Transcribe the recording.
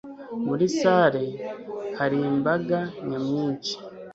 Muri salle hari imbaga nyamwinshi.